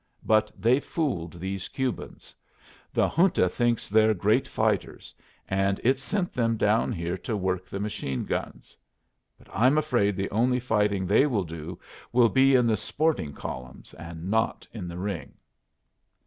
But they've fooled these Cubans. The Junta thinks they're great fighters, and it's sent them down here to work the machine guns. But I'm afraid the only fighting they will do will be in the sporting columns, and not in the ring."